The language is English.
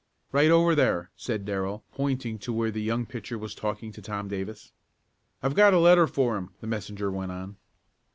"Right over there," said Darrell, pointing to where the young pitcher was talking to Tom Davis. "I've got a letter for him," the messenger went on.